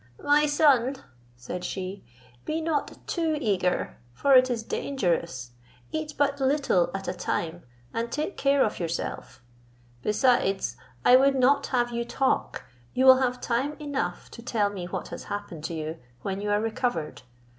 "My son," said she, "be not too eager, for it is dangerous; eat but little at a time, and take care of yourself. Besides, I would not have you talk; you will have time enough to tell me what has happened to you when you are recovered.